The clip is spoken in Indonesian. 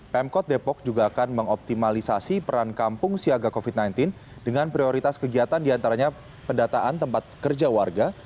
pemkot depok juga akan mengoptimalisasi peran kampung siaga covid sembilan belas dengan prioritas kegiatan diantaranya pendataan tempat kerja warga